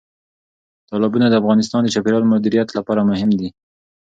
تالابونه د افغانستان د چاپیریال مدیریت لپاره مهم دي.